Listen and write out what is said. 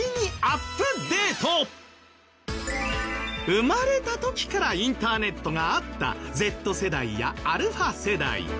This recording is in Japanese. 生まれた時からインターネットがあったＺ世代やα世代。